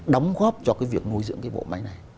đóng góp cho cái việc nuôi dưỡng cái bộ máy này